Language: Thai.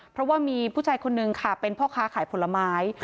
เพราะว่ามีผู้ชายคนนึงค่ะเป็นพ่อค้าขายผลไม้